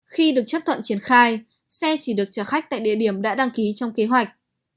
khi được chấp thuận triển khai xe chỉ được trả khách tại địa điểm đã đăng ký trong kế hoạch